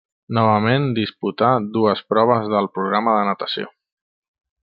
Novament disputà dues proves del programa de natació.